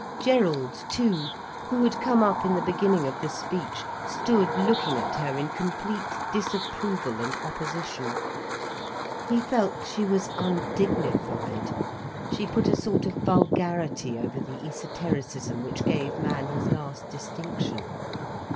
Gerald too, who had come up in the beginning of the speech, stood looking at her in complete disapproval and opposition. He felt she was undignified, she put a sort of vulgarity over the esotericism which gave man his last distinction.